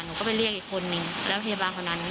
หนูก็ไปเรียกอีกคนนึงแล้วพยาบาลคนนั้น